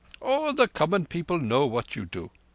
All the common people know what you do.